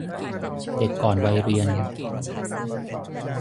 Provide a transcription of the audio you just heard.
เด็กก่อนวัยเรียน